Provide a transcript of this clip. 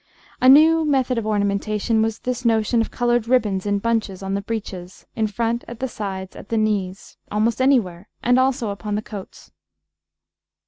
A new method of ornamentation was this notion of coloured ribbons in bunches, on the breeches, in front, at the sides, at the knees almost anywhere and also upon the coats.